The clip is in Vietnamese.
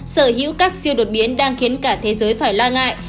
sở hữu các siêu đột biến đang khiến cả thế giới phải lo ngại